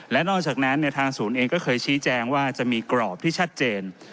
และนอกจากนั้นทางศูนย์เองก็เคยชี้แจงว่าจะมีกรอบที่ชัดเจน